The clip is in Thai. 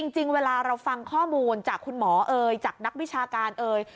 จริงเวลาเราฟังข้อมูลจากคุณหมอเอ่ยจากนักวิชาการเอ่ย